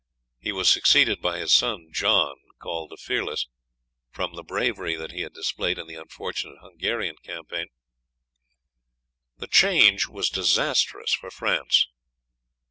He was succeeded by his son John, called the Fearless, from the bravery that he had displayed in the unfortunate Hungarian campaign. The change was disastrous for France.